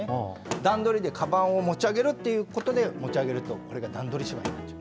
段取りで、かばんを持ち上げるということで持ち上げると段取り芝居になっちゃう。